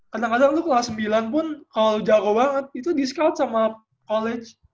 kadang kadang lo kelas sembilan pun kalo jago banget itu di scout sama college